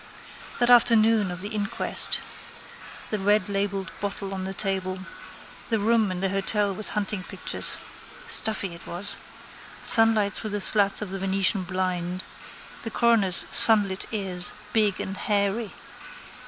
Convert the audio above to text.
That afternoon of the inquest. The redlabelled bottle on the table. The room in the hotel with hunting pictures. Stuffy it was. Sunlight through the slats of the Venetian blind. The coroner's sunlit ears, big and hairy.